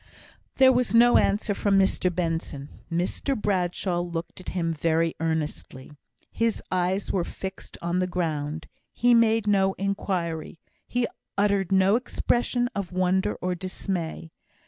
There was no answer from Mr Benson. Mr Bradshaw looked at him very earnestly. His eyes were fixed on the ground he made no inquiry he uttered no expression of wonder or dismay.